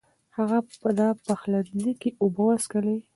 هغه په پخلنځي کې اوبه وڅښلې.